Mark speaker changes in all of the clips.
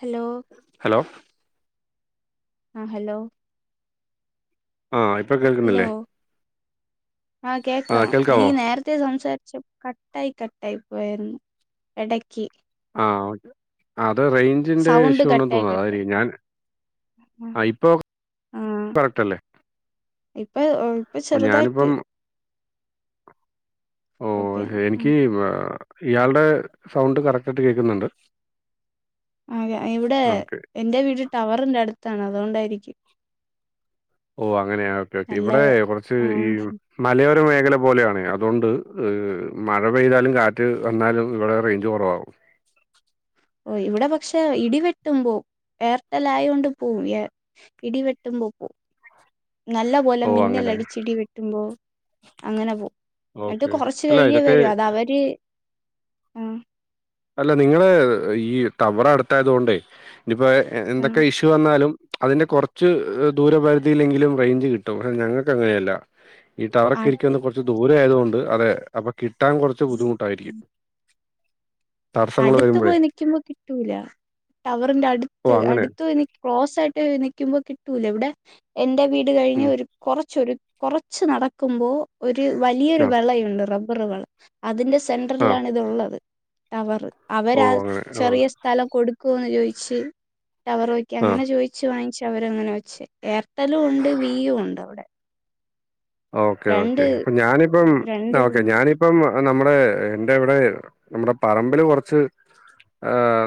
Speaker 1: Hello
Speaker 2: hello
Speaker 1: ആ hello
Speaker 2: ആ ഇപ്പൊ
Speaker 1: ഹലോ
Speaker 2: കേൾക്കുന്നില്ലേ
Speaker 1: ആ കേക്കാം എനിക്ക് നേരത്തെ സംസാരിച്ച കട്ടായി കട്ടായി പോയരുന്നു ഇടക്കി
Speaker 2: ആ ഒക്കെ ആ അത് റേഞ്ചിന്റെ
Speaker 1: സൗണ്ട്
Speaker 2: ഇഷ്യൂ ഉണ്ടെന്ന്
Speaker 1: കട്ടായി
Speaker 2: തോന്ന അത
Speaker 1: കട്ടായി
Speaker 2: ഞാൻ ആ ഇപ്പൊ
Speaker 1: ആ
Speaker 2: കറക്റ്റ്ല്ലേ
Speaker 1: ഇപ്പൊ ഇപ്പൊ ചെറുതായിട്ട്
Speaker 2: ഞാനിപ്പം ഓ
Speaker 1: ഓക്കെയാണ്
Speaker 2: എനിക്കി ഇയാൾടെ സൗണ്ട് കറക്റ്റ് ആയിട്ട് കേക്കുന്നുണ്ട്
Speaker 1: അ ഇവിടെ എന്റെ വീട്ടില് ടവറിന്റെ അടുത്താന് അതുകൊണ്ടായിരിക്കും
Speaker 2: ഓ അങ്ങനെയ ഓക്കെ ഓക്കെ
Speaker 1: നല്ല
Speaker 2: ഇവിടെ കുറച്ച്
Speaker 1: ആ
Speaker 2: ഈ മലയോര മേ മേല പോലെയാണ് അതുകൊണ്ട് മഴ പെയ്താലും കാറ്റ് വന്നാലും ഇവിടെ റേഞ്ച് കുറവാകും
Speaker 1: ഓ ഇവിടെ പക്ഷെ ഇടിവെട്ടുമ്പോ എയർടെൽ ആയൊണ്ട് പോവും ഇടിവെട്ടുമ്പോ പോ നല്ല പോലെ
Speaker 2: ഓ അങ്ങനെ
Speaker 1: മിന്നലടിച്ച് ഇടി വെട്ടുമ്പോ അങ്ങനെ പോ എന്നിട്ട്
Speaker 2: ഓക്കെ
Speaker 1: കൊറച്ച്
Speaker 2: അല്ല
Speaker 1: കഴിയേ
Speaker 2: ഇതൊക്കെ
Speaker 1: വരും അത അവര് ആ
Speaker 2: അല്ല നിങ്ങള് ഈ ടവറ് അടുത്തായത് കൊണ്ടേ ഇനി ഇപ്പോ
Speaker 1: ആ
Speaker 2: എന്തൊക്കെ ഇഷ്യൂ വന്നാലും അതിന്റെ കുറച്ച് ദൂരപരിധിയിലെങ്കിലും റേഞ്ച് കിട്ടും ഞങ്ങൾക്ക് അങ്ങനെയല്ല ഈ ടവറ് ഒക്കെ
Speaker 1: ആട്ട്
Speaker 2: എനിക്കൊന്ന് കുറച്ച് ദൂരെ ആയതുകൊണ്ട് അതെ അപ്പൊ കിട്ടാൻ കുറച്ച് ബുദ്ധിമുട്ടായിരിക്കും തടസ്സങ്ങൾ
Speaker 1: അടുത്ത്
Speaker 2: വരുമ്പോഴേ
Speaker 1: പോയി നിൽക്കുമ്പോ കിട്ടൂല ടവറിന്റെ
Speaker 2: ഓ
Speaker 1: അടുത്ത്
Speaker 2: അങ്ങനെ
Speaker 1: അടുത്തോയി നി ക്രോസ് ആയിട്ട് നിക്കുമ്പോ കി ട്ടൂല ഇവിടെ എന്റെ വീ ട് കഴിഞ്
Speaker 2: ഉം
Speaker 1: ഒരു കുറച്ച് ഒരു കുറച്ച് നടക്കുമ്പോ ഒര്
Speaker 2: ആ
Speaker 1: വലിയൊരു വെളയുണ്ട് റബ് റ് വള് അതിന്റെ സ്
Speaker 2: ആ
Speaker 1: സെന്ററിലാണ് ഇത് ഉള്ളത് ടവർ
Speaker 2: ഓ
Speaker 1: അവരാ
Speaker 2: അങ്ങനെ ഓ
Speaker 1: ചെറിയ സ്ഥലം കൊടുക്കുവോന്ന് ചോദി ച്ച് ടവറോക്കി
Speaker 2: ആ
Speaker 1: അങ്ങനെ ചോയിച്ച് വാങ്ങിച്ചു ക്കവരങ്ങനെ വെച്ച് എയർടെലും ഉണ്ട് വിയും ഉണ്ട് അവിടെ
Speaker 2: ഓക്കെ
Speaker 1: രണ്ട്
Speaker 2: ഓക്കേ അപ്പ ഞാനിപ്പം
Speaker 1: രണ്ട്
Speaker 2: ഓക്കെ
Speaker 1: ഇതുണ്ട്
Speaker 2: ഞാനിപ്പം നമ്മുടെ എന്റെ ഇവിടെ നമ്മുടെ പറമ്പിൽ കുറച്ച്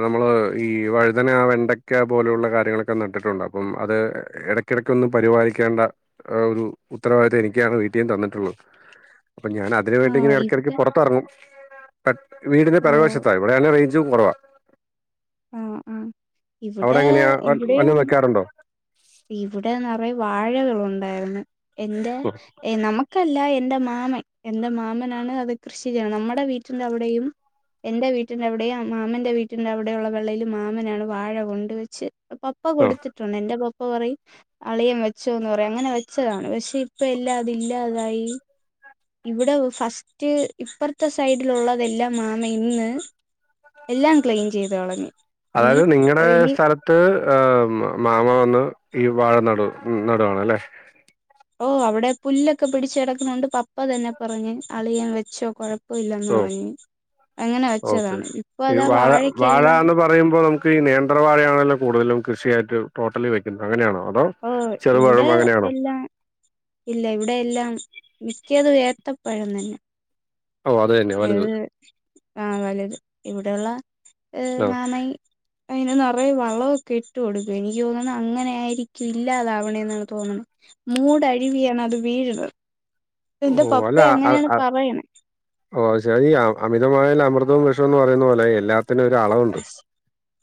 Speaker 2: നമ്മള് ഈ വഴുതന വെണ്ടയ്ക്ക പോലെയുള്ള കാര്യങ്ങളൊക്കെ നട്ടിട്ടുണ്ട് അപ്പം അത് ഇടക്കിടക്കൊന്നും പരിപാലിക്കേണ്ട ഒരു ഉത്തരവാദിത്തം എനി ക്കാണ് വീട്ടീന്ന് തന്നിട്ടുള്ളത് അപ്പൊ ഞാൻ അതിന്
Speaker 1: ആ
Speaker 2: വേണ്ടി ഇങ്ങനെ ഇടക്കിടക്ക്
Speaker 1: ഇവിടെ
Speaker 2: പുറത്തിറങ്ങും [unintelligible] വീടിന്റെ
Speaker 1: ഓ
Speaker 2: പിറക് വശത്തായി ഇവിടെ നല്ല വെയിൽ [unintelligible] കുറവാ
Speaker 1: ആ ആ
Speaker 2: അവിടെ
Speaker 1: ഇവിടെ
Speaker 2: എങ്ങനെയാ
Speaker 1: ഇവിടെം
Speaker 2: വല്ലതും വെക്കാറുണ്ടോ
Speaker 1: ഇവിടെ നിറയ വാ വാഴകളുണ്ടായിരുന്നു എൻ്റെ നമുക്കല്ല എന്റെ മാമൻ എന്റെ മാമനാണ് അത് കൃഷി ചെയ്യണെ നമ്മടെ വീട്ടിന്റെ അവിടെയും എൻറെ വീട്ടിന്റെ അവിടെയും മാമന്റ വീട്ടിന്റെ അവി ടെയുള്ള വെളയില് മാമനാണ് വാഴ കൊണ്ട് വെച്ച് പപ്പ
Speaker 2: ആഹ്
Speaker 1: കൊടുത്തിട്ടുണ്ട് എന്റെ പ പ്പ പറയും അളിയൻ വെച്ചോ എന്ന് പറയും അങ്ങനെ വെച്ചതാണ് പക്ഷേ ഇപ്പ എല്ലാം അത് ഇല്ലാതായി ഈ ഇവിടെ ഫസ്റ്റ് ഇപ്പറത്തെ സൈഡിലുള്ളതെല്ലാം മാമ ഇന്ന് എല്ലാം ക്ലീൻ ചെയ്ത് കളഞ്ഞു ഇനി
Speaker 2: അതായത് നിങ്ങടെ
Speaker 1: ഇനി
Speaker 2: സ്ഥലത്ത് മാമ വന്ന് ഈ വാഴനടു നടുവാണല്ലേ
Speaker 1: ഓ അവിടെ പുല്ലൊക്കെ പിടിച്ച് കടക്കുന്നോണ്ട് പപ്പ തന്നെ പറഞ്ഞ് അളിയൻ വെച്ചോ കൊഴ ഇല്ലെന്ന്
Speaker 2: ഓ
Speaker 1: പറഞ്ഞ് അങ്ങനെ
Speaker 2: ഓക്കെ
Speaker 1: വെച്ചതാണ് ഇപ്പൊ
Speaker 2: ഈ
Speaker 1: അതാ
Speaker 2: വാഴ വാഴ
Speaker 1: വാഴക്കെല്ലാം
Speaker 2: എന്ന് പറയുമ്പോൾ നമുക്ക് ഈ നേന്ത്രവാഴയാണല്ലോ കൂടുതലും കൃഷിയായിട്ട് ടോട്ടലി വെക്കണെ അങ്ങനെയുണ്ടോ
Speaker 1: ഓ ഇവിടെ എല്ലാം ഇല്ല ഇവിടെ എല്ലാം മിക്കതും ഏത്ത പഴം തന്നെ
Speaker 2: ഓ അത് തന്നെ വലുത്
Speaker 1: ഏത് ആ വലുത് ഇവിടെള്ള ഹ്
Speaker 2: ആഹ്
Speaker 1: മാമയ് അതിന് നിറയെ വളവോക്കെ ഇട്ട് കൊടുക്കും എനിക്ക് തോന്ന്ണ് അങ്ങനെ ആയിരിക്കും ഇല്ലാതാവണേ എന്നാണ് തോന്ന്ണേ മൂടഴിവിയാണ് അത് വീഴുന്നത് എന്റെ
Speaker 2: ഓ
Speaker 1: പപ്പ
Speaker 2: അല്ല
Speaker 1: അങ്ങനെണ്
Speaker 2: അ-
Speaker 1: പറയണേ
Speaker 2: ഓ ശരിയാ അമിതമായൽ അമൃതവും വിഷംന്ന് പറയുന്ന പോലെ എല്ലാം ത്തന് ഒരു അളവുണ്ട്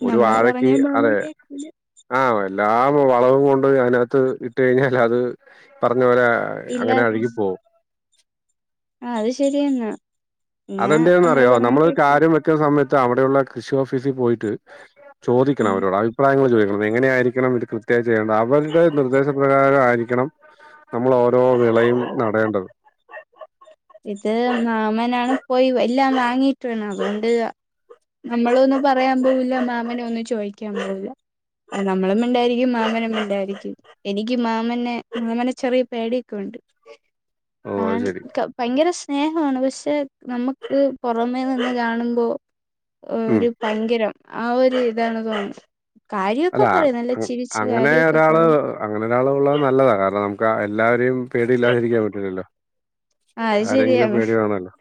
Speaker 2: ഒരു
Speaker 1: നമ്മള് പറഞ്ഞ
Speaker 2: വാഴക്ക്
Speaker 1: മാമ
Speaker 2: അതെ
Speaker 1: കേക്കൂല
Speaker 2: ആ എല്ലാ വളവും കൊണ്ട് അയ്നകത്ത് ഇട്ട് കഴിഞ്ഞാൽ അത് പ യുന്ന പോലെ അങ്ങനെ
Speaker 1: ഇല്ലാതായി
Speaker 2: അഴുകിപ്പോവും
Speaker 1: ആ അത് ശരി ന്നാ
Speaker 2: അതെന്തിനാന്നറിയോ നമ്മളൊരു കാര്യം വെക്ക് സമയത്ത് ത അവിടെയുള്ള കൃഷി ഓഫീസി പോയിട്ട് ചോദിക്കണം
Speaker 1: ആഹ്
Speaker 2: അവരോട് അഭിപ്രായങ്ങൾ ചോയ് എങ്ങനെയ ആയിരിക്കണം ഇത് കൃത്യമായി ചെയ്യേണ്ടത് അവരുടെ നിർദ്ദേശപ്രകാരം ആയിരിക്കണം നമ്മൾ ഓരോ വിളയും നടേണ്ടത്
Speaker 1: ഇത് മാമനാണ് പോയി എല്ലാം വാങ്ങിയിട്ട് വേണം അതുകൊണ്ട് അ നമ്മളൊന്നും പറയാൻ പോവില്ല മാമനെ ഒന്നും ചോയ്ക്കാൻ പോവില്ല നമ്മളും മിണ്ടായിരിക്കും മാമനും മിണ്ടായിരിക്കും എനിക്ക് മാമനെ മാമനെ ചെറിയ പേടിയൊക്കെ ഉണ്ട്
Speaker 2: ഓ അത്
Speaker 1: കാൺ
Speaker 2: ശരി
Speaker 1: ഭയങ്കര സ്നേഹമാണ് പക്ഷെ നമുക്ക് പുറമേ നിന്ന് കാണുമ്പോ
Speaker 2: ഉം.
Speaker 1: ഒരു പങ്കരം ആ ഒരു ഇതാണ് തോന്നുന്നത് കാര്യമൊക്കെ
Speaker 2: അല്ല
Speaker 1: പറയും നല്ല ചിരിച്ച്
Speaker 2: അങ്ങനെ
Speaker 1: കാര്യമൊക്കെ
Speaker 2: ഒരാള്
Speaker 1: പറയും
Speaker 2: അങ്ങനെ ഒരാൾ ഉള്ളത് നല്ലതാണ് കാരണം ന ക എല്ലാവരെയും പേടി ഇല്ലാതിരിക്കാൻ പറ്റില്ലല്ലോ
Speaker 1: ആഹ്
Speaker 2: ആരെങ്കിലും
Speaker 1: ശെരിയാണ്
Speaker 2: പേടി വേണല്ലോ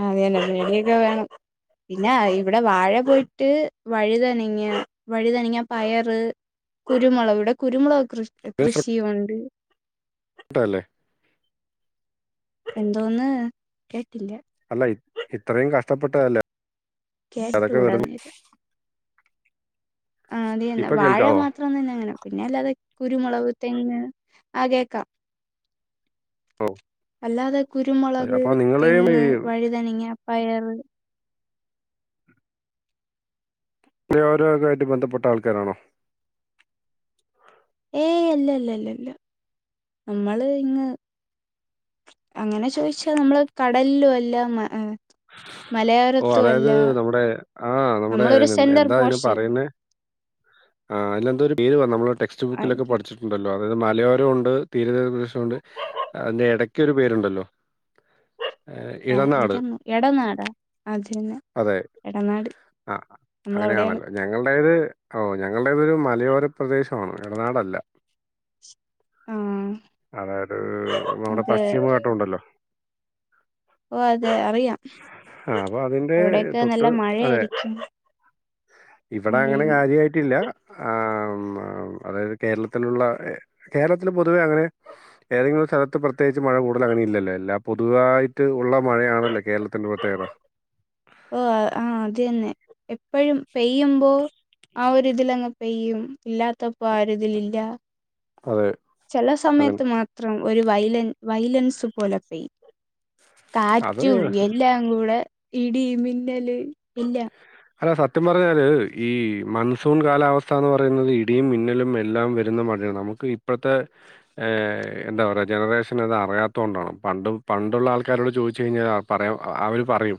Speaker 1: ആ ഞന് പടിയൊക്കെ വേണം പിന്നെ ഇവിടെ വാഴ പോയിട്ട് വഴുതനങ്ങ വഴുതനങ്ങ, പയറ്, കുരുമുളക്, ഇവിടെ കുരുമുളക കൃഷി കൃഷിയുണ്ട്
Speaker 2: കേട്ടല്ലേ
Speaker 1: എന്തോന്ന് കേട്ടില്ലേ
Speaker 2: ഹയ് ഇത്രയും കഷ്ടപ്പെട്ടതല്ലേ അതൊക്കെ
Speaker 1: കേട്ടൂടാ
Speaker 2: വെറുതെ
Speaker 1: നേരെ ആ അത് തന്നെ
Speaker 2: ഇപ്പൊ
Speaker 1: വാഴ
Speaker 2: കേൾക്കാവോ
Speaker 1: മാത്രം തന്നെ അങ്ങനെ പിന്നെ അല്ലാതെ കുരുമുളക്, തെങ്ങ്, ആ കേക്കാം അല്ലാതെ കുരുമുളക്,
Speaker 2: അപ്പൊ നിങ്ങളെയും
Speaker 1: തെങ്ങ്, വഴുതനങ്ങ, പയർ
Speaker 2: ഇ ഓരോക്ക ആയിട്ട് ബന്ധപ്പെട്ട ആൾക്കാരാണോ
Speaker 1: ഏയ് അല്ലല്ല ല്ലല്ല നമ്മള് ഇങ്ങ് അങ്ങനെ ചോയിച്ചാ നമ്മള് കടൽലോ അല്ലാം മ എ
Speaker 2: ഓ അതായത് നമ്മുടെ ആ നമ്മുടെ
Speaker 1: നമ്മളൊരു
Speaker 2: എൻ
Speaker 1: സെന്റർ
Speaker 2: എന്താതിന്
Speaker 1: പോർഷൻ
Speaker 2: പറയുന്നേ ആ അയിനെന്തരു പേര് പർഞ് നമ്മളെ ടെക്സ്റ്റ് ബുക്കിലൊക്കെ
Speaker 1: ആയിരിക്കാം
Speaker 2: പഠിച്ചിട്ടുണ്ടല്ലോ അതായത് മലയോരോം ഉണ്ട് തീര ണ്ട് അതിന്റെ ഇടക്ക്‌ ഒിക്ക ഒരു പേരുണ്ടല്ലോ ഏ,
Speaker 1: എ
Speaker 2: ഇടനാട്
Speaker 1: എനിക്കന്നു എടനാടാ അത്
Speaker 2: അതെ ആ
Speaker 1: നമ്മളവിടെയാണ്
Speaker 2: അങ്ങനെയാണല്ലോ ഞങ്ങൾടേത് ഓ ഞങ്ങളുടെ ഇതൊരു മലയോര പ്രദേശമാണ് ഇടനാടല്ല
Speaker 1: ആ
Speaker 2: അതായത് നമ്മടെ പശ്ചിമഘട്ടമുണ്ടല്ലോ
Speaker 1: ഓ അത്
Speaker 2: ആ അപ്പൊ അതിന്റെ
Speaker 1: അവിടെയൊക്കെ നല്ല
Speaker 2: തൊട്ട് അതെ
Speaker 1: മഴയായിരിക്കും
Speaker 2: ഇവിടെ അങ്ങനെ
Speaker 1: മഴയും
Speaker 2: കാര്യയിട്ടില്ല ആ ഉം അതായത് കേരളത്തിലുള്ള കേരളത്തിൽ പൊതുവെ അങ്ങനെ ഏതെങ്കിലും സ്ഥലത്ത് പ്രത്യേകിച്ച് മഴ കൂടുതൽ അങ്ങനെ ഇല്ലല്ലോ എല്ലാ പൊതുവായിട്ട് ഉള്ള മഴയാണല്ലോ കേരളത്തിന്റെ പ്രത്യേകത
Speaker 1: ഓ ആ അത് തന്നെ എപ്പഴും പെയ്യുമ്പോ ആ ഒരു ഇതിലങ്ങ പെയ്യും ഇല്ലാത്തപ്പോ ആരും ഇതിലില്ല
Speaker 2: അതെ.
Speaker 1: ചെല
Speaker 2: അങ്ങനെ
Speaker 1: സമയത്ത് മാത്രം ഒരു വയ്ലൻ വൈലൻസു പോലെ പെയ്യ
Speaker 2: അത്
Speaker 1: കാറ്റും എല്ലാം കൂടെ ഇടി മിന്നല് ഇല്ല
Speaker 2: അല്ല സത്യം പറഞ്ഞാല് ഈ മൺസൂൺ കാലാവസ്ഥ എന്ന് പറയുന്നത് ഇടിയും മിന്നലും എല്ലാം വരുന്ന മഴയാണ് നമുക്ക് ഇപ്പോഴത്തെ ഏ എന്താ പറയാ ജനറേഷന് അത് അറിയാത്തത് കൊണ്ടാണ് പണ്ട് പണ്ടുള്ള ആൾക്കാരോട് ചോയ്ച്ച് കഴിഞ്ഞാ പറയാം അവര് പറയും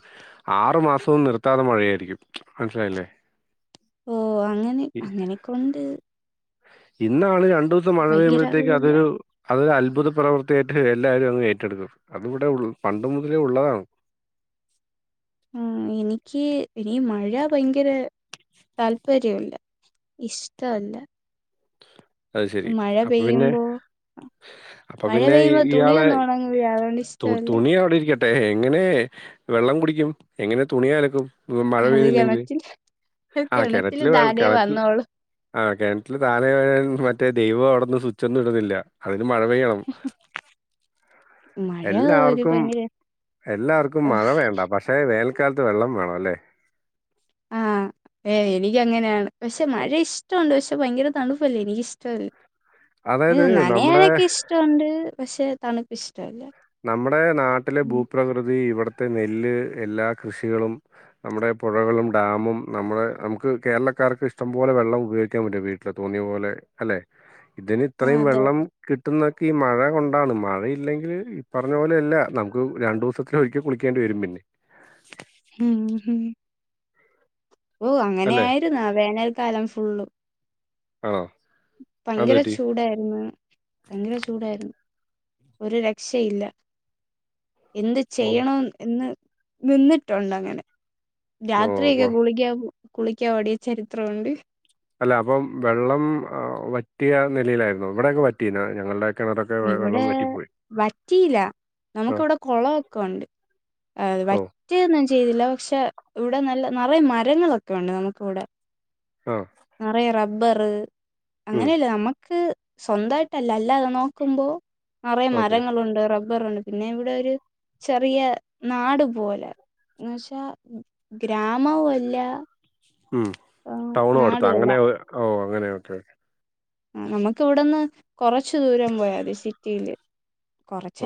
Speaker 2: ആറു മാസവും നി താതെ മഴയായിരിക്കും മനസ്സിലായില്ലേ
Speaker 1: ഓ അങ്ങനെ അങ്ങനെക്കെ ഉണ്ട്
Speaker 2: ഇന്നാണ് ര രണ്ടു ദിവസം മഴ
Speaker 1: ഭയങ്കര
Speaker 2: പെയ്യുമ്പോതേക്ക്
Speaker 1: അറിവില്ല
Speaker 2: അതൊരു അത് പുതു പ്രവൃത്തിയായിട്ട് എല്ലാരും അങ്ങ് ഏറ്റെടുക്കും അതി ഇവിടെ ള്ള പണ്ട് മുതലേ ഉള്ളതാണ്
Speaker 1: ഉം എനിക്ക് ഇനി മഴ ഭയങ്കര താല്പര്യല്ല ഇഷ്ടല്ല
Speaker 2: അത് ശെരി
Speaker 1: മഴ
Speaker 2: അപ്പൊ പിന്നെ
Speaker 1: പെയ്യുമ്പോ
Speaker 2: അപ്പൊ
Speaker 1: മഴ
Speaker 2: പിന്നെ
Speaker 1: പെയ്യുമ്പോ
Speaker 2: ഇയാളെ
Speaker 1: തുണിയൊന്നും ഉണങ്ങൂല അതുകൊണ്ട്
Speaker 2: തു
Speaker 1: ഇഷ്ടമല്ല
Speaker 2: തുണി അവിടെ ഇരിക്ക എങ്ങനെ വെള്ളം കുടിക്കും. എങ്ങനെ തുണി അലക്കും മഴ
Speaker 1: അത്
Speaker 2: പെയ്യുന്നില്ലെങ്കിൽ
Speaker 1: കിണറ്റില്
Speaker 2: ആ
Speaker 1: കിണറ്റില്
Speaker 2: വെള്ളം
Speaker 1: താനെ
Speaker 2: കിണറ്റിൽ
Speaker 1: വന്നോളു
Speaker 2: ആ കെൻറ്റില് താനെ മറ്റേ ദൈവം അവിടന്ന് സ്വിച്ച് ഒന്നും ഇടുന്നില്ല അതി ന് മഴ പെയ്യണം
Speaker 1: മഴ ഒരു
Speaker 2: എല്ലാവർക്കും
Speaker 1: ഭയങ്കര
Speaker 2: എല്ലാവർക്കും മഴ വേണ്ട പക്ഷെ വേനൽ കാലത്ത് വെള്ളം വേണം അല്ലേ
Speaker 1: ആ ഏ എനക്ക് അങ്ങനെയാണ് പക്ഷെ മഴ ഇഷ്ടമുണ്ട് പക്ഷെ ഭയങ്കര തണുപ്പല്ലേ എനിക്കിഷ്ടമൽ അ
Speaker 2: അതായത് നമ്മുടെ
Speaker 1: നനയാനൊക്കെ ഇഷ്ടമുണ്ട് പക്ഷെ തണുപ്പ്ഷ്
Speaker 2: നമ്മുടെ നാട്ടിലെ ഭൂപ്രകൃതി ഇവിടെ ത്തെ നെല്ല് എല്ലാ കൃഷികളും നമ്മുടെ പുഴകളും ഡാമും നമ്മുടെ നമുക്ക് കേരളക്കാർക്ക് ഇഷ്ടം പോലെ വെള്ളം ഉപയോഗിക്കാൻ പറ്റും വീട്ടില് തോന്നിയ പോലെ അല്ലെ ഇതിന്
Speaker 1: ആ
Speaker 2: ഇത്രയും
Speaker 1: അതെ
Speaker 2: വെള്ളം കി ട്ടുന്നൊക്കെ ഈ മഴ കൊണ്ടാണ് മഴയില്ലെങ്കിൽ പറഞ്ഞ പോലെ അല്ല നമുക്ക് രണ്ടു ദിവസത്തി ഒരിക്കൽ കുളിക്കേണ്ടി വരും പിന്നെ
Speaker 1: ഹും ഹ് ഓ അങ്ങനെ
Speaker 2: അല്ലേ?
Speaker 1: ആയിരുന്നു വേനൽക്കാലം ഫുള്ളും
Speaker 2: ആ
Speaker 1: പങ്കര ചൂടായിരുന്നു, പങ്കര ചൂടായിരുന്നു ഒരു രക്ഷയില്ല എന്ത്
Speaker 2: ഓഹ്.
Speaker 1: ചെയ്യണം എന്ന് നിന്നിട്ടുണ്ടങ്ങനെ
Speaker 2: ഓഹ്. അപ്പൊ
Speaker 1: രാത്രിയൊക്കെ കുളിക്കാം കുളിക്കാൻ ഓടിയ ചരിത്രം ഉണ്ട്.
Speaker 2: അല്ല അപ്പം വെള്ളം വറ്റിയ നിലയിലായിരുന്നോ? ഇവിടൊക്കെ വറ്റീല്ല ഞങ്ങൾടെ
Speaker 1: ഇവിടെ വറ്റിയില്ല, നമുക്ക്
Speaker 2: ആഹ്.
Speaker 1: ഇവിടെ കുളവൊക്കെ ഉണ്ട്
Speaker 2: ഓഹ്.
Speaker 1: വറ്റ ഒ ന്നും ചെയ്തില്ല പക്ഷെ ഇവിടെ നല്ല നറയെ മരങ്ങളൊക്കെ ഉണ്ട് നമുക്ക് ഇവിടെ.
Speaker 2: ആഹ്.
Speaker 1: നറയെ റ ബ്ബറ് അങ്ങനെയല്ലേ നമക്ക് സ്വന്തായിട്ടല്ല അല്ലാതെ നോക്കുമ്പോ നറയേ
Speaker 2: ഓക്കെ.
Speaker 1: മരങ്ങളുണ്ട് റ ബ്ബറുണ്ട്, പിന്നെ ഇവിടെ ഒരു ചെറിയ നാട് പോലാ, എന്ന് വെച്ചാ ഗ്രാമവുമല്ലാ
Speaker 2: ഉം ടൗണും അടുത്താ, അങ്ങനെ ഓ അങ്ങനെ ഓക്കെ ഓക്കെ.
Speaker 1: ആഹ് നമ്മുക്ക് ഇവിടെന്ന് കൊറച്ചു ദൂരം പോയാ മതി സിറ്റീല്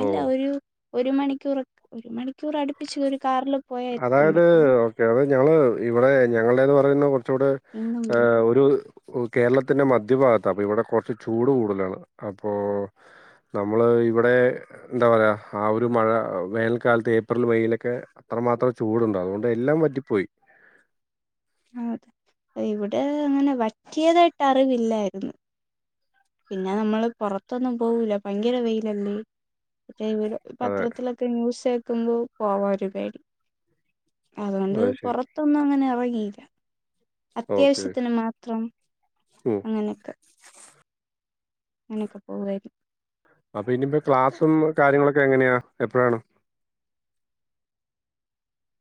Speaker 2: ഓ
Speaker 1: ഒരു ഒരു മണിക്കൂർ, ഒരു മണിക്കൂർ അടുപ്പിച്ച് കാറില്‌ പോയാ എത്തും
Speaker 2: അതായത്
Speaker 1: പെട്ടെന്ന്.
Speaker 2: ഓക്കെ അത് ഞങ്ങള് ഇവിടെ ഞങ്ങളടേന്ന് പറയുന്ന കൊറച്ചൂടെ
Speaker 1: ഇന്നും പോയി
Speaker 2: ഒരു കേരളത്തിൻ്റെ മധ്യഭാഗത്താ, അപ്പോ ഇവിടെ കുറച്ച് ചൂട് കൂടുതലാണ്. അപ്പോൾ നമ്മൾ ഇവിടെ എന്താ പറയ ആ ഒരു മഴ വേനൽക്കാലത്ത് ഏപ്രിൽ മെയിലൊക്കെ അത്രമാത്രം ചൂടുണ്ട്, അതുകൊണ്ട് എല്ലാം വറ്റിപ്പോയി.
Speaker 1: ആതെ, ഇവിടെ അങ്ങനെ വറ്റിയതായിട്ട് അറിവില്ലായിരുന്നു. പിന്നെ നമ്മള് പുറത്തൊന്നും പോവൂല, ഭയങ്കര വെയിലല്ലേ. [unintelligible]
Speaker 2: അതെ
Speaker 1: പത്രത്തിലൊക്കെ ന്യൂസ് നിക്കുമ്പോ പോവാ ഒരു കരി അതുകൊണ്ട്
Speaker 2: അത് ശരി
Speaker 1: പുറത്തൊന്നും അങ്ങനെ യീല.
Speaker 2: ഓക്കെ
Speaker 1: അത്യാവശ്യത്തിന് മാത്രം
Speaker 2: ഉം.
Speaker 1: അങ്ങനൊക്കെ ഇങ്ങനെക്കെ പോവായിരിക്കും
Speaker 2: അപ്പൊ ഇനി മുതല് ക്ലാസ്സും കാര്യങ്ങളൊക്കെ എങ്ങനെയാ എപ്പളാണ്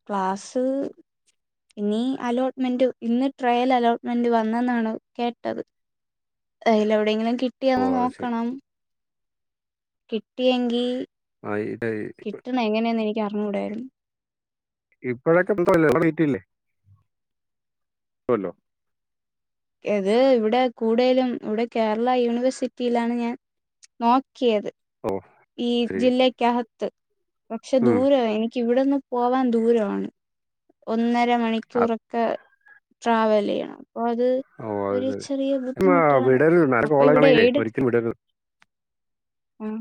Speaker 1: ക്ലാസ്സ് ഇനി അലോട്ട്മെന്റ് ഇന്ന് ട്രയല് അലോട്ട്മെന്റ് വന്നെന്നാണ് കേട്ടത് അയില് എവിടെയെങ്കിലും കി
Speaker 2: ഓ
Speaker 1: ട്ടിയോയെന്ന്
Speaker 2: അത് ശരി
Speaker 1: നോക്കണം കിട്ടിയെങ്കി
Speaker 2: ആഹ് [unintelligible]
Speaker 1: ക്കറിഞ്ഞൂടേരുന്നു
Speaker 2: ഇപ്പഴൊക്കെ [unintelligible]
Speaker 1: ഏത് ഇവിടെ കൂടെലും ഇവിടെ കേരളാ യൂണിവേഴ്സിറ്റിയിലാണ് ഞാൻ നോക്കിയത്
Speaker 2: ഓ
Speaker 1: ഈ
Speaker 2: ശരി
Speaker 1: ജില്ലക്ക് അഹത്ത് പക്ഷേ
Speaker 2: ഉം
Speaker 1: ദൂരവാ എനി ക്ക് ഇവടന്ന് പോവാൻ ദൂരവാണ് ഒന്നെ ര മണിക്കൂറൊക്കെ ട്രാവലെയ്യണം
Speaker 2: ഓ അത് ശരി എന്നാ
Speaker 1: ബുദ്ധിമുട്ടാണ്
Speaker 2: വിടര്ത് നല്ല
Speaker 1: അപ്പൊ ഇവിടെ
Speaker 2: കോളേജാണങ്കിലെ ഒരിക്കലും വിടര്ത്
Speaker 1: ഉം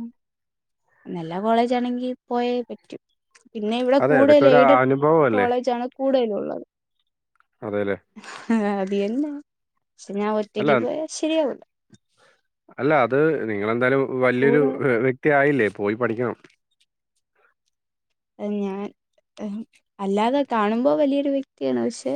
Speaker 1: നല്ല കോളേജാണെങ്കി പോയേ പറ്റു പിന്നെ ഇവിടെ
Speaker 2: അതെ അതൊക്കെ
Speaker 1: കൂടുതലും
Speaker 2: ഒരു
Speaker 1: എയ്ടട്
Speaker 2: അനുഭവമല്ലേ?
Speaker 1: കോളേജാണ് കൂടുതലും
Speaker 2: അതെല്ലേ.
Speaker 1: ആ അത് ന്നെ പക്ഷെ ഞാൻ
Speaker 2: അല്ല
Speaker 1: ഒറ്റയ്ക്ക് പോയാ ശരിയാവു ല്ല
Speaker 2: അല്ല അത് നിങ്ങളെന്താലും വലിയൊരു
Speaker 1: കൂടെ
Speaker 2: വ്യക്തിയായില്ലേ പോയി പഠിക്കണം
Speaker 1: ഞാൻ അല്ലാതെ കാണുമ്പോ വലിയൊരു വ്യക്തിയാണ് പക്ഷെ